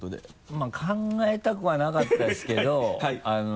まぁ考えたくはなかったですけど。